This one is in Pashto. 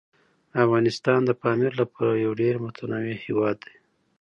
افغانستان د پامیر له پلوه یو ډېر متنوع هیواد دی.